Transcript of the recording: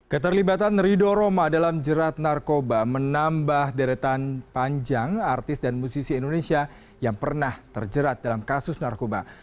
keterlibatan rido roma dalam jerat narkoba menambah deretan panjang artis dan musisi indonesia yang pernah terjerat dalam kasus narkoba